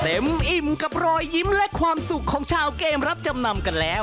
อิ่มกับรอยยิ้มและความสุขของชาวเกมรับจำนำกันแล้ว